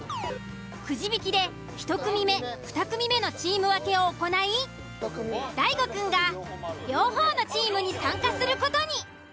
くじ引きで１組目２組目のチーム分けを行い大悟くんが両方のチームに参加する事に。